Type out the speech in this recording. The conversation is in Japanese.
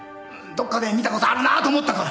どっかで見たことあるなと思ったから。